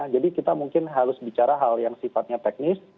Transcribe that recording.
jadi kita mungkin harus bicara hal yang sifatnya teknis